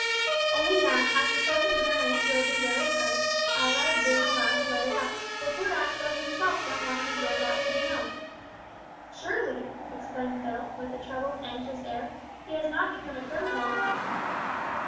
Only now, after pressin' her and aunt Georgie wery hard, have I bin allowed to let it out, for poor Aspel himself don't want his whereabouts to be known." "Surely!" exclaimed Phil, with a troubled, anxious air, "he has not become a criminal."